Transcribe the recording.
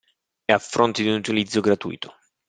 È a fronte di un utilizzo gratuito.